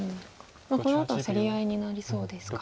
このあとは競り合いになりそうですか。